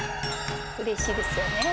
うれしいですよね。